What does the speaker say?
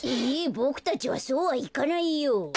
ボクたちはそうはいかないよ。